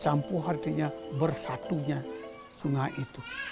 campur artinya bersatunya sungai itu